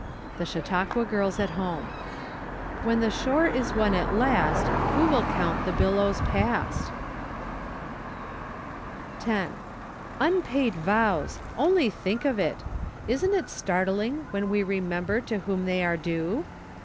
The Chautanqna Girls at Home. " When the shore is won at last, Who icill count the billoics past ?" 10. Unpaid vows! — only think of it. Isn't it startling when we remember to whom they are due